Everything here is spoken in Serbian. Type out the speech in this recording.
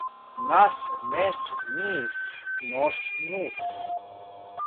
наш неш Ниш нош нуш,